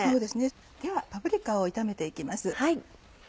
ではパプリカを炒めて行きます。